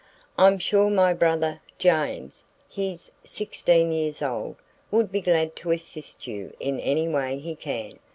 "I'm sure my brother James he's 16 years old would be glad to assist you in any way he can.